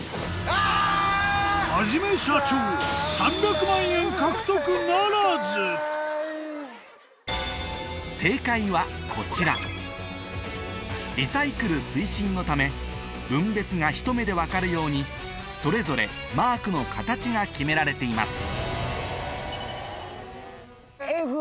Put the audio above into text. はじめしゃちょー正解はこちらリサイクル推進のため分別がひと目で分かるようにそれぞれマークの形が決められています